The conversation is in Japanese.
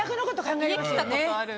家来たことある。